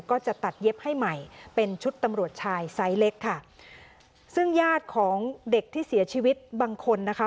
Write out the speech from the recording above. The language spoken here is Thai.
ก็จะตัดเย็บให้ใหม่เป็นชุดตำรวจชายไซส์เล็กค่ะซึ่งญาติของเด็กที่เสียชีวิตบางคนนะคะ